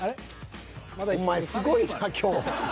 お前すごいな今日。